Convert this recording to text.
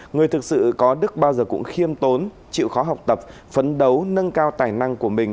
người thực sự có đức bao giờ cũng khiêm tốn chịu khó học tập phấn đấu nâng cao tài năng của mình